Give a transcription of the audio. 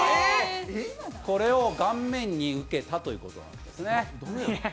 これを顔面に受けたということなんですね。